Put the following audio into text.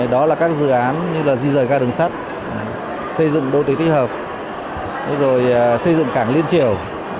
đó là các dự án như di rời ca đường sắt xây dựng đô tỉ tích hợp xây dựng cảng liên triều